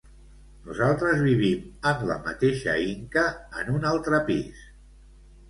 Nosaltres vivim en la mateixa Inca, en un altre pis.